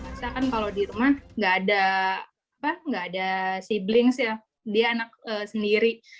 misalkan kalau di rumah nggak ada siblings dia anak sendiri